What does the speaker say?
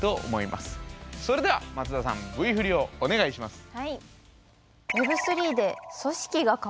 それでは松田さんＶ振りをお願いします。